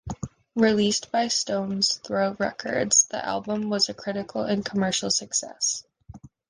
Released by Stones Throw Records, the album was a critical and commercial success.